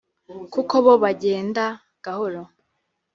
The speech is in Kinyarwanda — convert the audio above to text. kuko bo bagenda gahoro